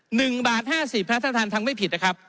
หนึ่งบาทห้าสิบครับท่านท่านทำไม่ผิดนะครับ